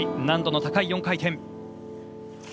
難度の高い４回転。